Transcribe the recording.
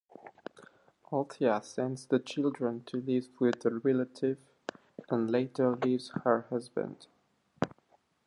Althea sends the children to live with a relative and later leaves her husband.